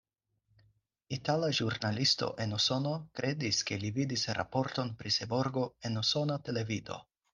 Itala ĵurnalisto en Usono kredis, ke li vidis raporton pri Seborgo en usona televido.